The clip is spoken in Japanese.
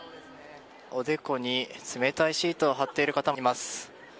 おでこに冷たいシートを貼っている方もいます。